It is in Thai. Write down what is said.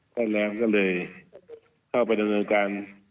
แล้วแหลมก็เลยเข้าไปดำเนินการ